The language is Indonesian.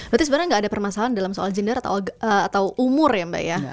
berarti sebenarnya nggak ada permasalahan dalam soal gender atau umur ya mbak ya